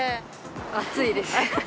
暑いです。